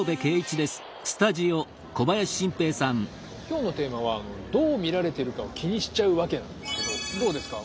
今日のテーマはどう見られてるかを気にしちゃうワケなんですけどどうですか？